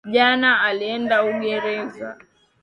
Jana alienda uingereza